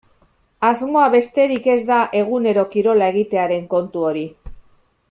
Asmoa besterik ez da egunero kirola egitearen kontu hori.